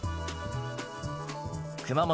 熊本